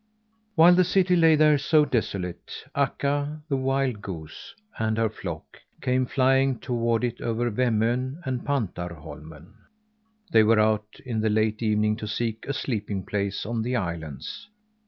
While the city lay there so desolate, Akka, the wild goose, and her flock, came flying toward it over Vemmön and Pantarholmen. They were out in the late evening to seek a sleeping place on the islands.